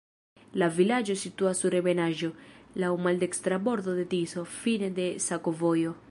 La vilaĝo situas sur ebenaĵo, laŭ maldekstra bordo de Tiso, fine de sakovojo.